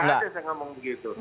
nggak ada yang ngomong begitu